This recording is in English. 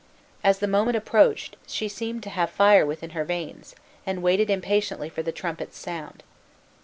As the moment approached she seemed to have fire within her veins, and waited impatiently for the trumpet's sound.